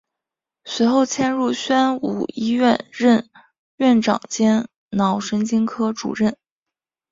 随后迁入宣武医院任院长兼脑神经科主任。